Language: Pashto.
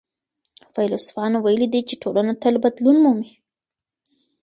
فيلسوفانو ويلي دي چي ټولنه تل بدلون مومي.